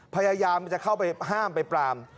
พยายามจะเข้าไปห้ามไปปราม